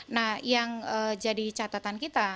nah yang jadi catatan kita